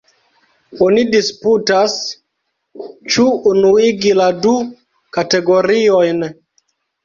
Oni disputas, ĉu unuigi la du kategoriojn.